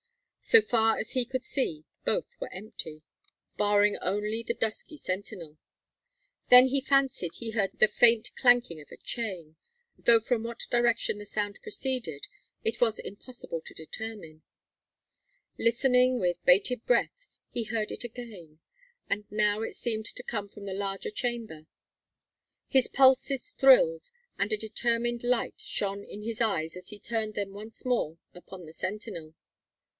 So far as he could see both were empty, barring only the dusky sentinel. Then he fancied he heard the faint clanking of a chain, though from what direction the sound proceeded it was impossible to determine. Listening with bated breath, he heard it again, and now it seemed to come from the larger chamber. His pulses thrilled, and a determined light shone in his eyes as he turned them once more upon the sentinel.